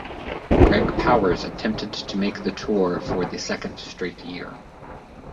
Greg Powers attempted to make the tour for the second straight year.